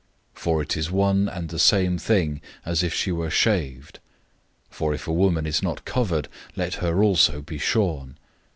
For it is one and the same thing as if she were shaved. 011:006 For if a woman is not covered, let her also be shorn.